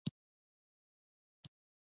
فقیهانو متشخص انسانوزمه خدای ته تمایل درلود.